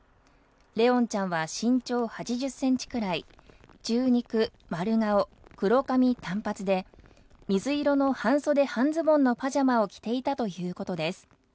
怜音ちゃんは身長８０センチくらい、中肉丸顔、黒髪短髪で、水色の半袖半ズボンのパジャマを着ていたということです。